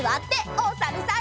おさるさん。